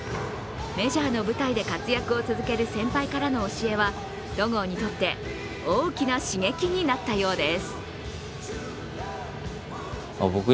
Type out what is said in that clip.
メジャーの舞台で活躍を続ける先輩からの教えは戸郷にとって大きな刺激になったようです。